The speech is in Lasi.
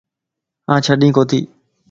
آن جڍي ڪوتي